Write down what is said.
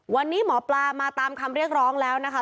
วันนี้หมอปลามาตามคำเรียกร้องแล้วนะคะ